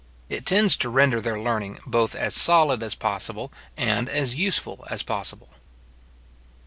It tends to render their learning both as solid as possible, and as useful as possible.